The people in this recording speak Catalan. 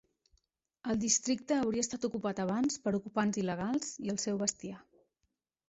El districte hauria estat ocupat abans per ocupants il·legals i el seu bestiar.